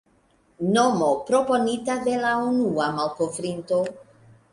Nomo proponita de la unua malkovrinto.